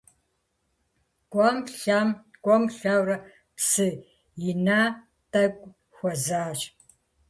КӀуэм-лъэм, кӀуэм-лъэурэ, псы ина тӀэкӀу хуэзащ.